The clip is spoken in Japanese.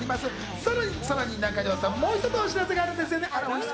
さらにさらに中条さん、もう一つお知らせがあるんだね。